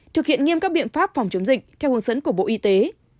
thực hiện nghiêm các biện pháp phòng chống dịch theo hướng dẫn của bộ y tế